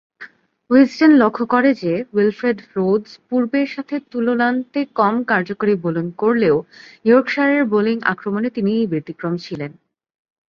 Wisden লক্ষ্য করে যে, উইলফ্রেড রোডস পূর্বের সাথে তুলনান্তে কম কার্যকরী বোলিং করলেও ইয়র্কশায়ারের বোলিং আক্রমণে তিনিই ব্যতিক্রম ছিলেন।